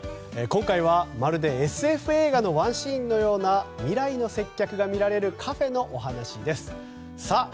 今回はまるでＳＦ映画のワンシーンのような未来の接客が見られるカフェのお話です。